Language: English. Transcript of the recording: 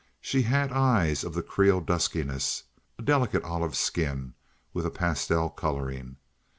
She had eyes of the Creole duskiness, a delicate olive skin, with a pastel coloring.